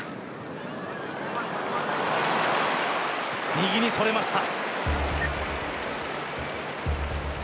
右にそれました。